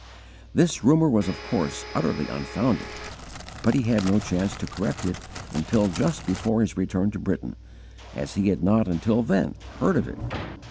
This rumour was of course utterly unfounded, but he had no chance to correct it until just before his return to Britain, as he had not until then heard of it.